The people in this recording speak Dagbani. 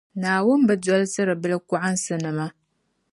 Naawuni bi dolsiri bilkɔɣinsinima.